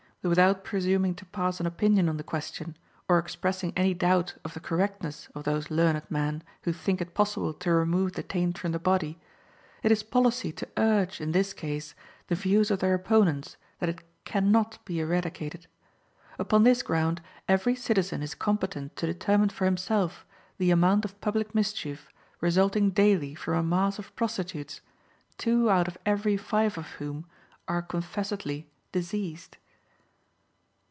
Without presuming to pass an opinion on the question, or expressing any doubt of the correctness of those learned men who think it possible to remove the taint from the body, it is policy to urge, in this case, the views of their opponents that it can not be eradicated. Upon this ground every citizen is competent to determine for himself the amount of public mischief resulting daily from a mass of prostitutes, two out of every five of whom are confessedly diseased.